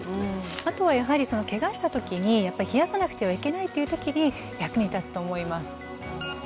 あとはやはりケガした時に冷やさなくてはいけないっていう時に役に立つと思います。